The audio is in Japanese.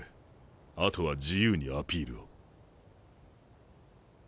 あとは自由にアピールを。